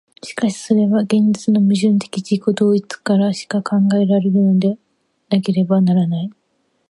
しかしそれは現実の矛盾的自己同一からしか考えられるのでなければならない。